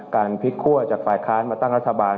การพลิกคั่วจากฝ่ายค้านมาตั้งรัฐบาล